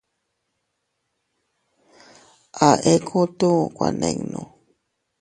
A ekutu kuaninu.